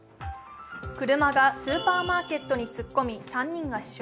車がスーパーマーケットに突っ込み３人が死傷。